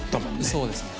そうですね。